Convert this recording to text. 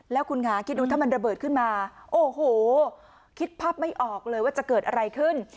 แล้วคุณคะคิดดูถ้ามันระเบิดขึ้นมาโอ้โหคิดภาพไม่ออกเลยว่าจะเกิดอะไรขึ้น